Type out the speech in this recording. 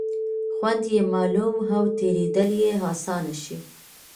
خوند یې معلوم او تېرېدل یې آسانه شي.